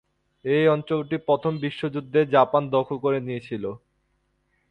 এই অঞ্চলটি প্রথম বিশ্বযুদ্ধে জাপান দখল করে নিয়েছিল।